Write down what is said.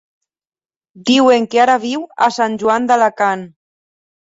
Diuen que ara viu a Sant Joan d'Alacant.